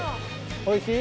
おいしい？